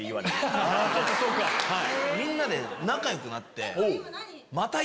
みんなで仲良くなって。